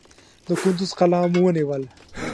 د کندوز قلا مو ونیول.